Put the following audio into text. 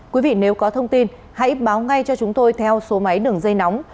quý vị nếu có thông tin hãy báo ngay cho chúng tôi theo số máy đường dây nóng